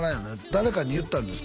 誰かに言ったんですか？